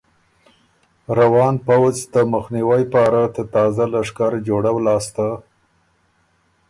روان پؤځ ته مُخنیوئ پاره ته تازه لشکر جوړؤ لاسته